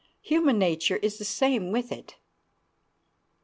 Human nature is the same with it.